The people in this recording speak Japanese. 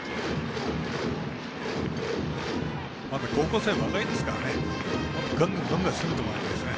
まだ高校生若いですからね。